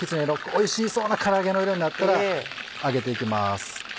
おいしそうなから揚げの色になったら上げていきます。